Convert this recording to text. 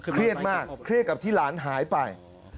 เครียดมากเครียดกับที่หลานหายไป